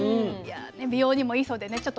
美容にもいいそうでね